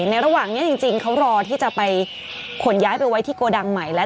ในระหว่างนี้จริงเขารอที่จะไปขนย้ายไปไว้ที่โกดังใหม่แล้ว